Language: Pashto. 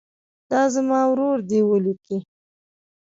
دا زما ورور دی ولیکئ.